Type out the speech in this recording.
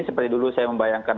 seperti dulu saya membayangkan